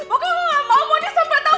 aku gak mau mondi sampai tau